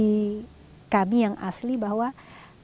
berdasarkan konsep keyakinan kami